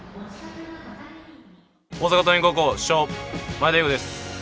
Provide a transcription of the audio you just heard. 大阪桐蔭高校主将・前田悠伍です。